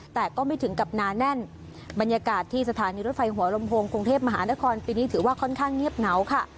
แต่ก็ไม่ถึงกับนาแน่นบรรยากาศที่สถานีรถไฟหัวลำโพงกรุงเทพมหานครปีนี้ถือว่าค่อนข้างเงียบเหงาค่ะ